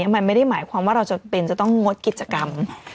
มันไม่ได้หมายความว่าเราจะเป็นจะต้องงดกิจกรรม